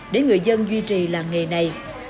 để người dân duy trì làng nghề này